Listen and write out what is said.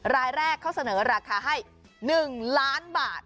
รายแรกเขาเสนอราคาให้๑ล้านบาท